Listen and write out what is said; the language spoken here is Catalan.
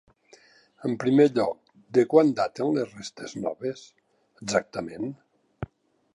En primer lloc, de quan daten les restes noves, exactament?